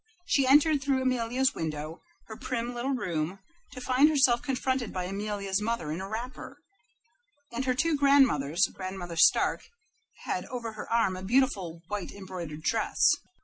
She entered through Amelia's window, her prim little room, to find herself confronted by Amelia's mother in a wrapper, and her two grandmothers. Grandmother Stark had over her arm a beautiful white embroidered dress.